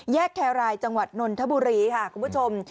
แครรายจังหวัดนนทบุรีค่ะคุณผู้ชม